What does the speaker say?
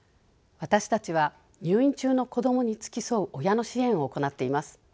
私たちは入院中の子どもに付き添う親の支援を行っています。